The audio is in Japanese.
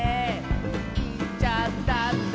「いっちゃったんだ」